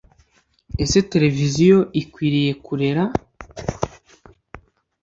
ese televiziyo ikwiriye kurera